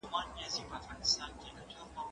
کېدای سي موسيقي خراب وي،